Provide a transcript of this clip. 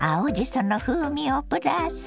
その風味をプラス！